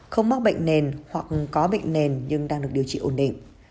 không mắc bệnh nền hoặc có bệnh nền nhưng đang được điều trị ổn định